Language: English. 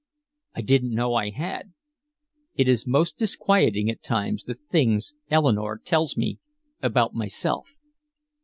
"I didn't know I had!" It is most disquieting at times, the things Eleanore tells me about myself.